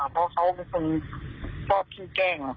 เพชรพ่อพี่แจ้ง